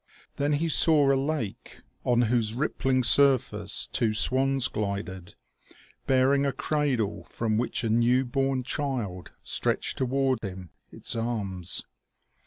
Then he saw a lake, on whose rippling surface two swans glided, bearing a cradle from which a new born child stretched toward him its arms.